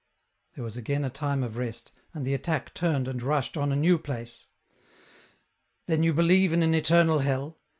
There was again a time of rest, and the attack turned and rushed on a new place. " Then you believe in an eternal hell